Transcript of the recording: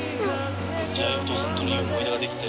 じゃあお父さんとのいい思い出ができて。